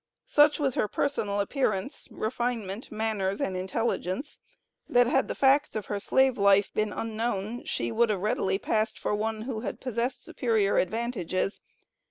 Such was her personal appearance, refinement, manners, and intelligence, that had the facts of her slave life been unknown, she would have readily passed for one who had possessed superior advantages.